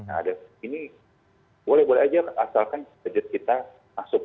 nah ada ini boleh boleh aja asalkan budget kita masuk